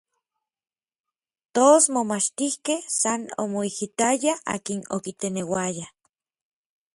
Tos momachtijkej san omoijitayaj, akin okiteneuaya.